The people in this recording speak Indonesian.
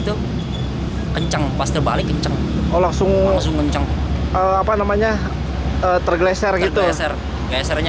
tuh kenceng pas terbalik kenceng langsung langsung kenceng apa namanya tergleser gitu eser gesernya